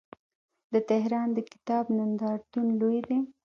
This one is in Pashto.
د تهران د کتاب نندارتون لوی دی.